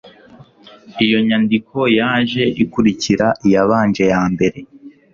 iyo nyandiko yaje ikurikira iyabanje ya mbere